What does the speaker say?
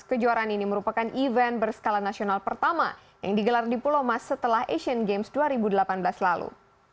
kejuaraan ini merupakan event berskala nasional pertama yang digelar di pulau mas setelah asian games dua ribu delapan belas lalu